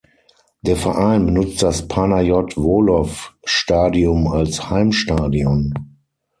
Der Verein benutzt das Panayot Volov Stadium als Heimstadion.